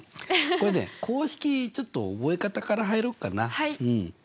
これね公式ちょっと覚え方から入ろうかな。